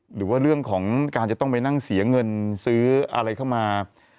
หรือว่าเรื่องของการจะต้องไปนั่งเสียเงินซื้ออะไรเข้ามา